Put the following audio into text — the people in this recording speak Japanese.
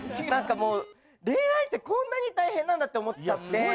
なんかもう恋愛ってこんなに大変なんだって思ったんで。